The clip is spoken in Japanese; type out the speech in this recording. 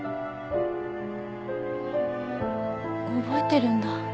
覚えてるんだ。